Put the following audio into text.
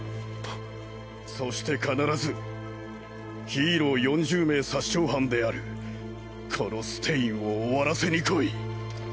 そして必ずヒーロー４０名殺傷犯であるこのステインを終わらせに来い。